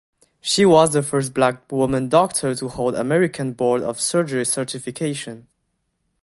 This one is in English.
She was the first Black woman doctor to hold American Board of Surgery certification.